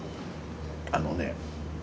あのね